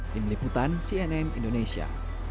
tim liputan cnn indonesia